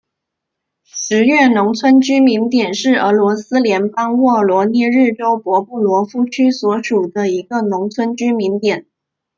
十月农村居民点是俄罗斯联邦沃罗涅日州博布罗夫区所属的一个农村居民点。